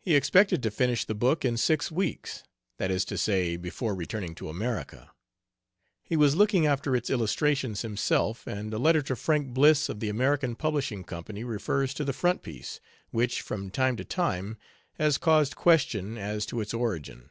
He expected to finish the book in six weeks; that is to say, before returning to America. He was looking after its illustrations himself, and a letter to Frank Bliss, of The American Publishing Company, refers to the frontpiece, which, from time to time, has caused question as to its origin.